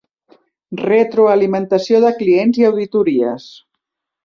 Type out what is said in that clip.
Retroalimentació de clients i auditories.